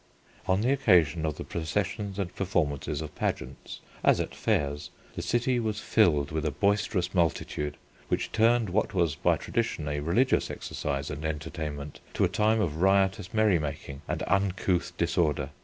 On the occasion of the processions and performances of pageants, as at fairs, the city was filled with a boisterous multitude which turned what was by tradition a religious exercise and entertainment, to a time of riotous merry making, and uncouth disorder.